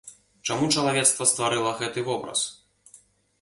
Чаму чалавецтва стварыла гэты вобраз?